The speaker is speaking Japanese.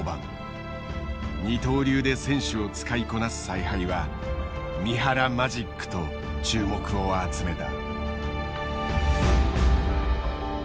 二刀流で選手を使いこなす采配は「三原マジック」と注目を集めた。